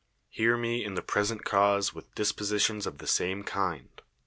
Llear me in the present cause with dispositions of the same kind.